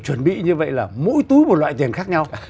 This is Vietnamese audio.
chuẩn bị như vậy là mỗi túi một loại tiền khác nhau cả